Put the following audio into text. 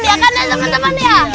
dia kan ada teman teman ya